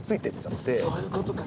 そういうことか。